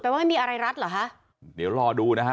ว่าไม่มีอะไรรัดเหรอคะเดี๋ยวรอดูนะฮะ